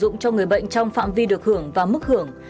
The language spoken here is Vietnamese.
sử dụng cho người bệnh trong phạm vi được hưởng và mức hưởng